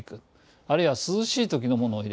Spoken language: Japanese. あるいは涼しい時のものを入れる。